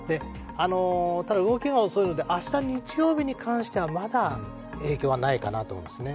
ただ動きが遅いので明日日曜日に関してはまだ影響はないかなと思うんですね。